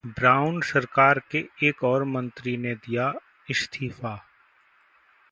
brown सरकार के एक और मंत्री ने दिया इस्तीफा